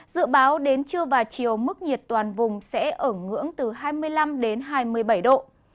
dự báo đến trưa và chiều mức nhiệt toàn vùng sẽ ở ngưỡng từ hai mươi năm đến hai mươi bảy độ